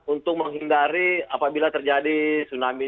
untuk menghindari apabila terjadi tsunami